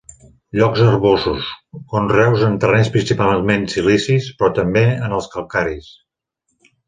Llocs herbosos, conreus en terrenys principalment silicis però també en els calcaris.